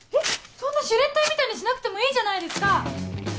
そんなシュレッダーみたいにしなくてもいいじゃないですか！